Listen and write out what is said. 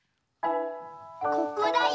ここだよ。